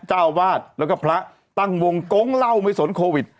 เจ้าวาดแล้วก็พระตั้งวงโก๊งเหล้าไม่สนโควิด